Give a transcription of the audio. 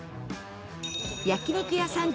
焼肉屋さん